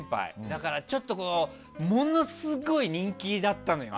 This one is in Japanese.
だからものすごい人気だったのよ